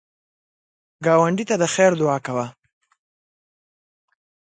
ګاونډي ته د خیر دعا کوه